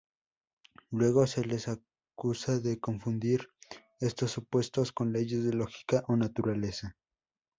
Luego se les acusa de confundir estos supuestos con leyes de lógica o naturaleza.